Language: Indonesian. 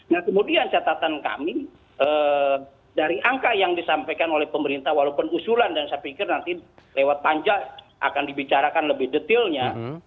nah kemudian catatan kami dari angka yang disampaikan oleh pemerintah walaupun usulan dan saya pikir nanti lewat panja akan dibicarakan lebih detailnya